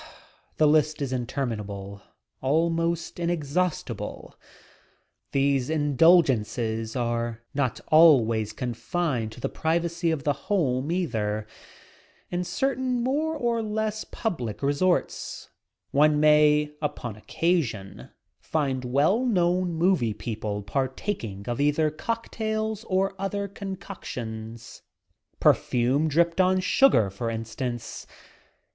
The list is interminable — almost inexhaustable. These indulgences are not always confined to the privacy of the home, either. In certain more or less public resorts one may upon occasion find well known movie people partaking of ether cocktails or other concoctions — perfume dripped on sugar, for instance.